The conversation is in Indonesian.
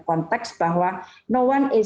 konteks bahwa tidak ada yang aman